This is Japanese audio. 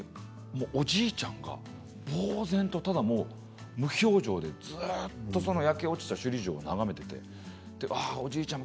そこにおじいちゃんがぼう然とただ無表情でずっと焼け落ちた首里城を眺めていておじいちゃん